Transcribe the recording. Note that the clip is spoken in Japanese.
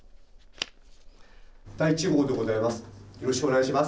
第１号でございます。